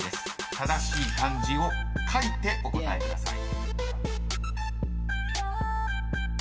［正しい漢字を書いてお答えください］